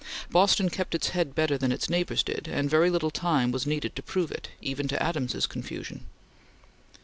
Boston kept its head better than its neighbors did, and very little time was needed to prove it, even to Adams's confusion.